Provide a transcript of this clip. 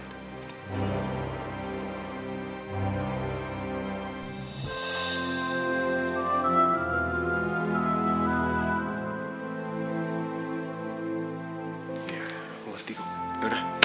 ya aku mesti kok